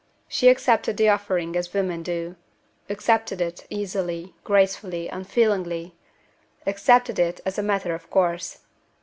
She accepted the offering as women do accepted it, easily, gracefully, unfeelingly accepted it as a matter of course.